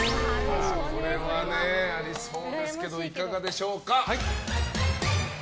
これはね、ありそうですけどいかがでしょうか？